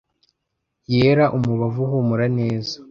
yera umubavu uhumura neza